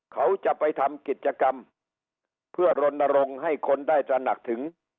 เขาจะไปทำกิจกรรมเพื่อรณรงค์ให้คนได้ตระหนักถึง